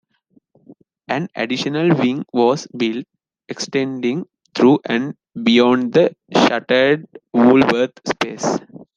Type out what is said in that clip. An additional wing was built, extending through and beyond the shuttered Woolworth space.